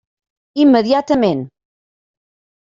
Immediatament.